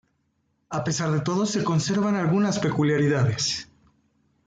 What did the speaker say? A pesar de todo, se conservan algunas peculiaridades.